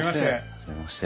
初めまして。